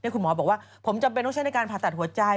คุณหมอบอกว่าผมจำเป็นต้องใช้ในการผ่าตัดหัวใจ